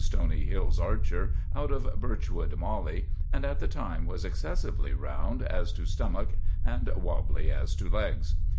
Stony Hills Archer out of Birchwood Mollie, and at the time was excessively round as to stomach and wabbly as to legs.